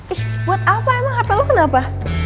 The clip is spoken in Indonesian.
eh buat apa emang hp lo kenapa